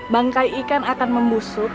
bangkai ikan akan membusuk